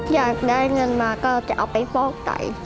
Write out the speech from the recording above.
อยากได้เงินมาก็จะเอาไปฟอกไต